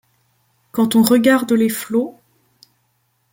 Quand on regarde les flots ?